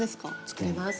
作れます。